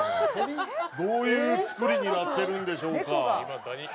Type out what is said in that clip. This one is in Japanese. どういう作りになってるんでしょうか？